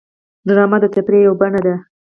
ډرامه د تفریح یوه بڼه ده